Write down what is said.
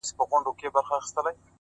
زما غنمرنگه زما لونگه ځوانې وغوړېده